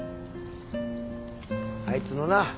あいつのな